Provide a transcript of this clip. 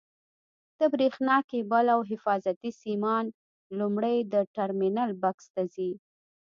د برېښنا کېبل او حفاظتي سیمان لومړی د ټرمینل بکس ته ځي.